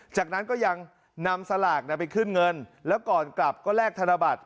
จากนั้นก็ยังนำสลากไปขึ้นเงินแล้วก่อนกลับก็แลกธนบัตร